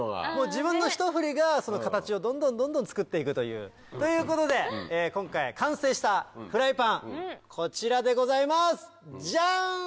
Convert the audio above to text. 自分のひと振りが形をどんどんどんどん作っていくという。ということで今回完成したフライパンこちらでございますジャン！